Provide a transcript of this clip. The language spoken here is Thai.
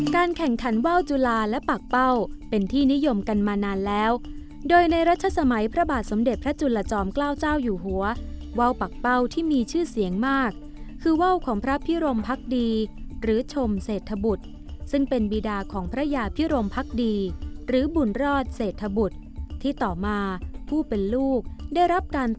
แข่งขันว่าวจุลาและปากเป้าเป็นที่นิยมกันมานานแล้วโดยในรัชสมัยพระบาทสมเด็จพระจุลจอมเกล้าเจ้าอยู่หัวว่าวปากเป้าที่มีชื่อเสียงมากคือว่าวของพระพิรมพักดีหรือชมเศรษฐบุตรซึ่งเป็นบีดาของพระยาพิรมพักดีหรือบุญรอดเศรษฐบุตรที่ต่อมาผู้เป็นลูกได้รับการ